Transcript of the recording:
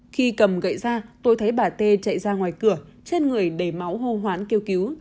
khi cầm gậy ra tôi thấy bà tê chạy ra ngoài cửa trên người đầy máu hô hoán kêu cứu